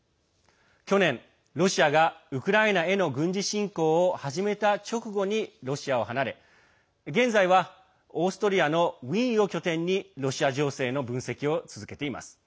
去年、ロシアがウクライナへの軍事侵攻を始めた直後にロシアを離れ現在は、オーストリアのウィーンを拠点にロシア情勢の分析を続けています。